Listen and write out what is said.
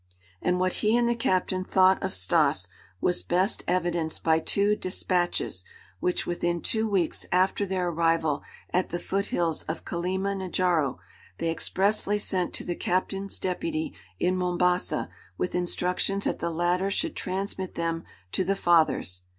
And what he and the captain thought of Stas was best evidenced by two despatches, which within two weeks after their arrival at the foot hills of Kilima Njaro they expressly sent to the captain's deputy in Mombasa with instructions that the latter should transmit them to the fathers.